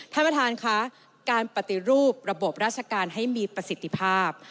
ท่านประธานค่ะการปฏิรูประบบราชการให้มีประสิทธิภาพ